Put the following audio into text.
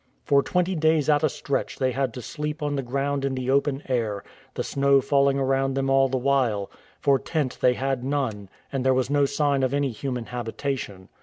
For twenty days at a stretch they Imd to sleep on the ground in the open air, the snow falling around them all the while ; for tent they had none, and there was no sign of any human habitation.